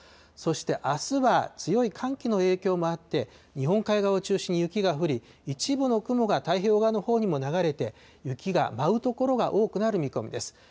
そしてあすは、強い寒気の影響もあって、日本海側を中心に雪が降り、一部の雲が太平洋側に流れて、雪が舞う所が多くなる見込みです。